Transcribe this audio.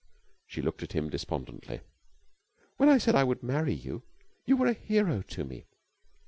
She looked at him despondently. "When I said I would marry you, you were a hero to me.